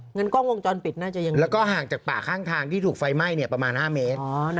งั้นกล้องวงจรปิดน่าจะยังไงแล้วก็ห่างจากป่าข้างทางที่ถูกไฟไหม้ประมาณ๕เมตร